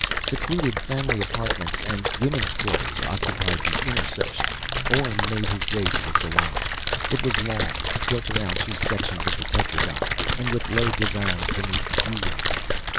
Secluded family apartments and women's quarters occupied the inner section. Orne made his way to the salon. It was long, built around two sections of the tetragon, and with low divans beneath the view windows.